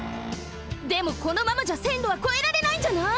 でもこのままじゃせんろはこえられないんじゃない？